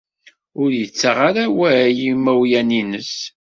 Ur yettaɣ ara awal i yimawlan-nnes.